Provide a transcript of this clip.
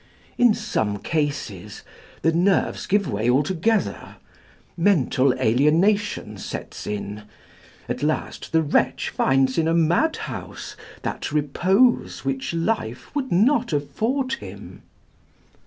"In some cases the nerves give way altogether: mental alienation sets in; at last the wretch finds in a madhouse that repose which life would not afford him.